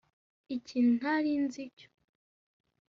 ikintu ntari nzi cyo ...